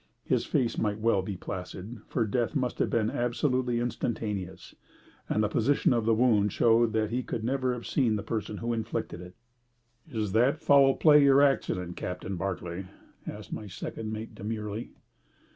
His face might well be placid, for death must have been absolutely instantaneous, and the position of the wound showed that he could never have seen the person who had inflicted it. "Is that foul play or accident, Captain Barclay?" asked my second mate, demurely.